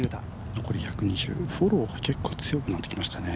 残り１２０、フォローが結構、強くなってきましたね。